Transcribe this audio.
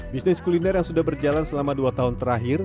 bisnis kuliner yang sudah berjalan selama dua tahun terakhir